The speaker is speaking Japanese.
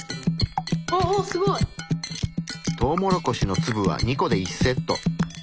あっすごい！トウモロコシの粒は２個で１セット。